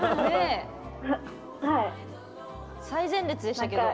最前列でしたけど。